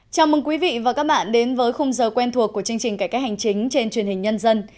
chào mừng quý vị và các bạn đến với khung giờ quen thuộc của chương trình cải cách hành chính trên truyền hình nhân dân